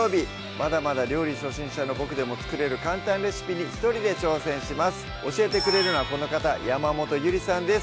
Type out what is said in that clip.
まだまだ料理初心者のボクでも作れる簡単レシピに一人で挑戦します教えてくれるのはこの方山本ゆりさんです